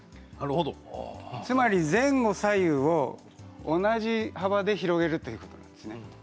つまり前後左右を同じ幅で広げるということですね。